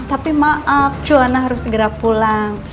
tapi maaf cuana harus segera pulang